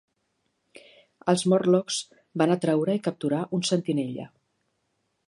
Els Morlocks van atraure i capturar un sentinella.